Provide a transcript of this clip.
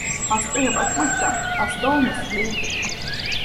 Hastaya bakmaktan hasta olması yeğdir.